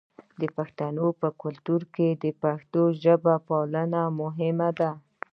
د پښتنو په کلتور کې د پښتو ژبې پالل مهم دي.